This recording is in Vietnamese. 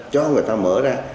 cho người ta mở ra